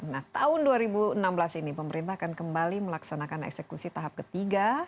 nah tahun dua ribu enam belas ini pemerintah akan kembali melaksanakan eksekusi tahap ketiga